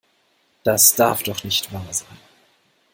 Das darf doch nicht wahr sein.